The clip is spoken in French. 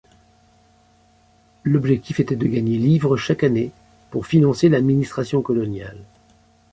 L'objectif était de gagner livres chaque année pour financer l'administration coloniale.